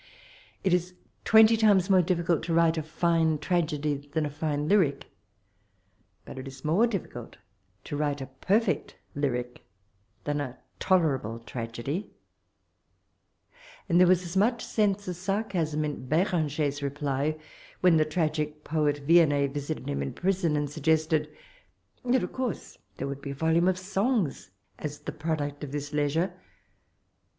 It is twenty times more difficult to write a fine tragedy than a fine lyric; but it is more difficult to write a perfect Ivric than a toler able tragedy ; and there was as much sense as earcasm in Beranger's reply when the trsgic poet Yiennet visited him in prison, and suggested that of course there would be a volume of songs as the product of this leisure.